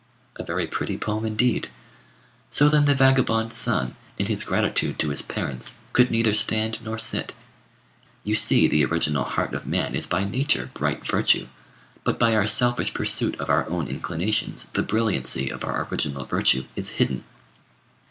A very pretty poem indeed! So then the vagabond son, in his gratitude to his parents, could neither stand nor sit. You see the original heart of man is by nature bright virtue, but by our selfish pursuit of our own inclinations the brilliancy of our original virtue is hidden.